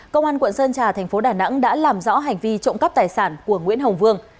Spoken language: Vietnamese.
công an quận sơn trà thành phố đà nẵng đã làm rõ hành vi trộm cắp tài sản của nguyễn hồng vương